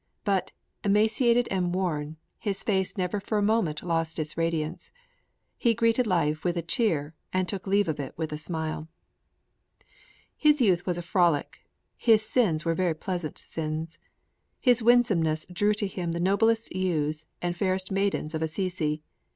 But, emaciated and worn, his face never for a moment lost its radiance. He greeted life with a cheer and took leave of it with a smile. His youth was a frolic; his very sins were pleasant sins. His winsomeness drew to him the noblest youths and fairest maidens of Assisi.